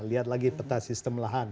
lihat lagi peta sistem lahan